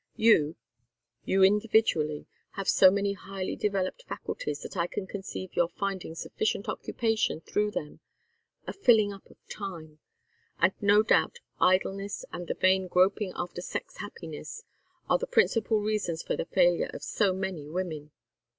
You you individually have so many highly developed faculties that I can conceive your finding sufficient occupation through them, a filling up of time; and no doubt idleness and the vain groping after sex happiness are the principal reasons for the failure of so many women.